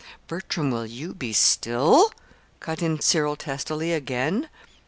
"Bertram, will you be still?" cut in Cyril, testily, again.